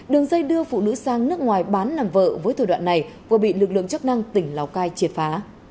đường dây đưa phụ nữ sang nước ngoài bán làm vợ với thời đoạn này vừa bị lực lượng chức năng tỉnh lào cai triệt phá